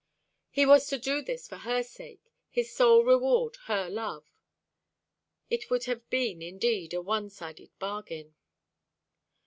He was to do this for her sake, his sole reward her love. It would have been, indeed, a one sided bargain.